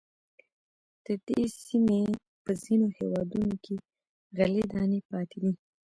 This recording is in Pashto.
د دې سیمې په ځینو هېوادونو کې غلې دانې پاتې دي.